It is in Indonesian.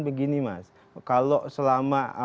begini mas kalau selama